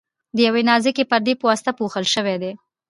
د یوې نازکې پردې په واسطه پوښل شوي دي.